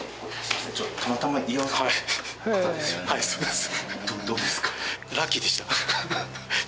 はいそうです。